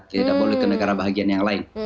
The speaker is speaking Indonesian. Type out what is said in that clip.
tidak boleh ke negara bahagian yang lain